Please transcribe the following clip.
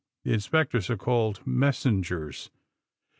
The inspectors are called messengers.